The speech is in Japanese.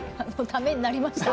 ためになりました。